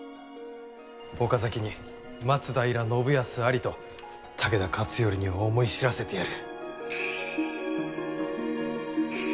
岡崎に松平信康ありと武田勝頼に思い知らせてやる。